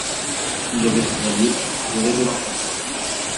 Si j’avais travaillé, j’aurais de l’argent.